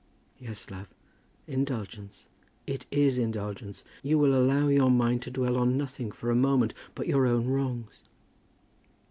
"Yes, love; indulgence. It is indulgence. You will allow your mind to dwell on nothing for a moment but your own wrongs."